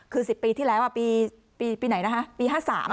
คือ๑๐ปีที่แล้วปีไหนนะคะปี๕๓